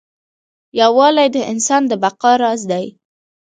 یووالی د انسان د بقا راز دی.